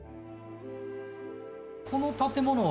この建物は？